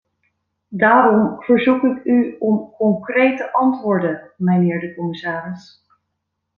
Daarom verzoek ik u om concrete antwoorden, mijnheer de commissaris.